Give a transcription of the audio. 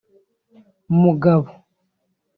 Mugabo